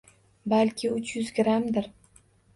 Balki uch yuz grammdir